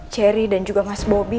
cherry dan juga mas bobby